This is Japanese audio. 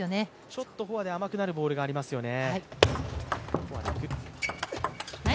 ちょっとフォアで甘くなるボールがありますよね。